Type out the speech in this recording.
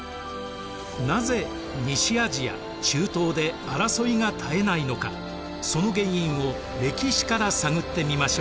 なぜ西アジア・中東で争いが絶えないのかその原因を歴史から探ってみましょう。